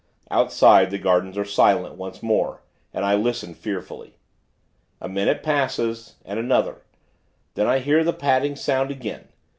Outside, the gardens are silent, once more, and I listen, fearfully. A minute passes, and another; then I hear the padding sound, again.